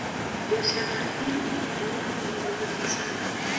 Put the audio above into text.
Biashara hii ilifanyika kwa muda mrefu sana